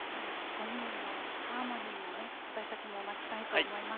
５人のハーモニーを私たちも待ちたいと思います。